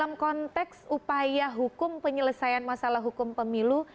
untuk menghasilkan upaya hukum penyelesaian masalah hukum pemilu